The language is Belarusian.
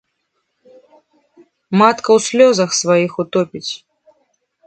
Матка ў слёзах сваіх утопіць.